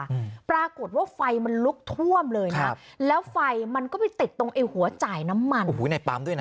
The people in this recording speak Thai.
อืมปรากฏว่าไฟมันลุกท่วมเลยนะครับแล้วไฟมันก็ไปติดตรงไอ้หัวจ่ายน้ำมันโอ้โหในปั๊มด้วยนะ